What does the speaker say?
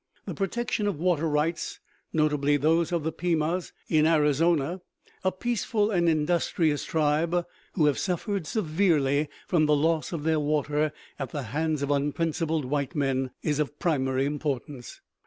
The protection of water rights, notably those of the Pimas in Arizona, a peaceful and industrious tribe who have suffered severely from the loss of their water at the hands of unprincipled white men, is of primary importance.